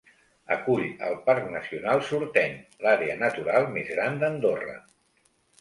Acull el Parc Nacional Sorteny, l'àrea natural més gran d'Andorra.